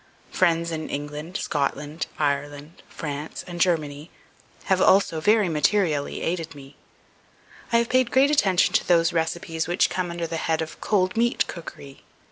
Friends in England, Scotland, Ireland, France, and Germany, have also very materially aided me. I have paid great attention to those recipes which come under the head of "COLD MEAT COOKERY."